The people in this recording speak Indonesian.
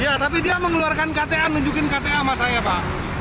iya tapi dia mengeluarkan kta menunjukkan kta matanya pak